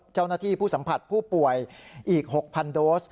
เจ้าหน้าที่ผู้สัมผัสผู้ป่วยอีก๖๐๐๐โดส